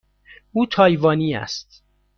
او تایوانی است.